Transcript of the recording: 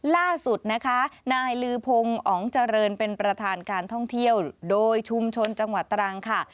ล่าสุดนะคะนายลือพงศ์อ๋องเจริญเป็นประธานการท่องเที่ยวโดยชุมชนจังหวัดตรังค่ะ